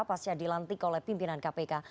pasca dilantik oleh pimpinan kpk